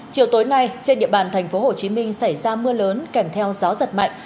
chiều tối nay trên địa bàn tp hcm xảy ra mưa lớn kèm theo gió giật mạnh